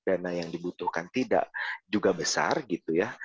dana yang dibutuhkan tidak juga besar gitu ya